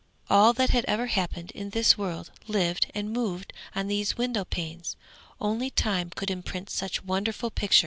All that had ever happened in this world lived and moved on these window panes; only Time could imprint such wonderful pictures.